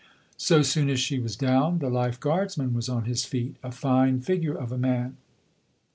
So soon as she was down, the life guardsman was on his feet, a fine figure of a man.